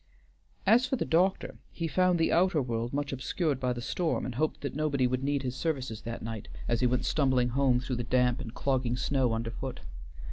As for the doctor, he found the outer world much obscured by the storm, and hoped that nobody would need his services that night, as he went stumbling home though the damp and clogging snow underfoot.